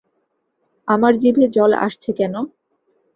আমার জিভে জল আসছে কেন?